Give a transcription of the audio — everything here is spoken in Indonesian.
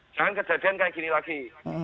jangan kejadian kayak gini lagi